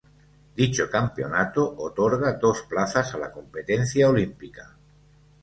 Dicho campeonato otorga dos plazas a la competencia olímpica.